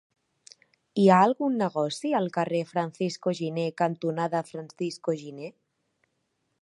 Hi ha algun negoci al carrer Francisco Giner cantonada Francisco Giner?